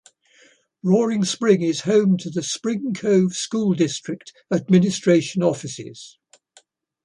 Roaring Spring is home to the Spring Cove School District administration offices.